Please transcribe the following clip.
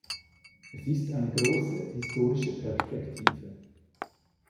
Es ist eine große historische Perspektive.